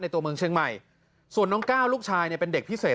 ตัวเมืองเชียงใหม่ส่วนน้องก้าวลูกชายเนี่ยเป็นเด็กพิเศษ